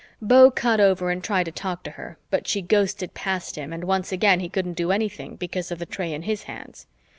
Beau cut over and tried to talk to her, but she ghosted past him and once again he couldn't do anything because of the tray in his hands.